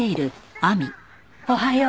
おはよう。